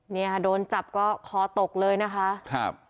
เนี้ยโดนจับก็คอตกเลยนะคะจ้ะ